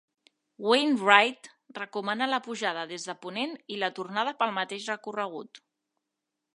Wainwright recomana la pujada des de ponent i la tornada pel mateix recorregut.